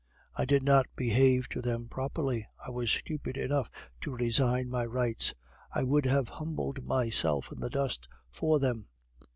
I did not behave to them properly; I was stupid enough to resign my rights. I would have humbled myself in the dust for them.